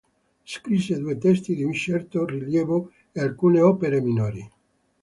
Scrisse due testi di un certo rilievo e alcune opere minori.